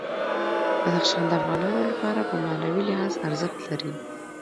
بدخشان د افغانانو لپاره په معنوي لحاظ ارزښت لري.